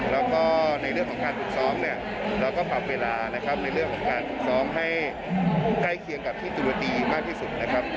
แล้วก็ในเรื่องของการฝึกซ้อมเนี่ยเราก็ปรับเวลานะครับในเรื่องของการฝึกซ้อมให้ใกล้เคียงกับที่ตุรตีมากที่สุดนะครับ